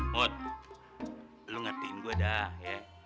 mut lo ngertiin gue dah ya